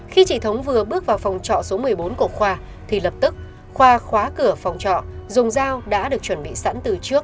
khi chị thống vừa bước vào phòng trọ số một mươi bốn của khoa thì lập tức khoa khóa cửa phòng trọ dùng dao đã được chuẩn bị sẵn từ trước